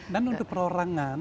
dan untuk perorangan